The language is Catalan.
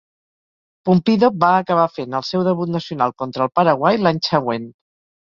Pumpido va acabar fent el seu debut nacional contra el Paraguai l'any següent.